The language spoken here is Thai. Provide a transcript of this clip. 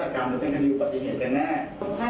หรือเป็นคดีปฏิเหตุกันแน่